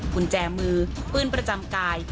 กุญแจมือปืนประจำกาย